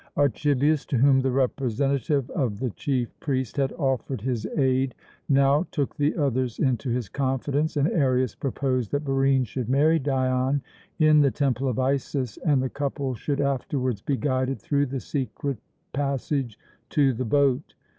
Archibius, to whom the representative of the chief priest had offered his aid, now took the others into his confidence, and Arius proposed that Barine should marry Dion in the Temple of Isis, and the couple should afterwards be guided through the secret passage to the boat.